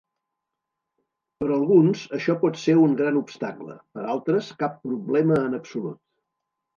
Per alguns, això pot ser un gran obstacle, per altres cap problema en absolut.